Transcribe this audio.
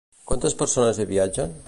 Quantes persones hi viatgen?